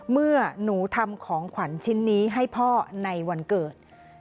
เมื่อหนูทำของขวัญชิ้นนี้ให้พ่อในวันเกิด